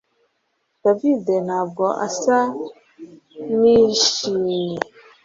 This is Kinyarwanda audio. David ntabwo asa nishimye